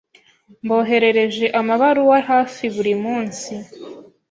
Mboherereje amabaruwa hafi buri munsi.